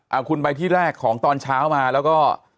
เอาคุณไปที่แรกของตอนเช้ามาแล้วก็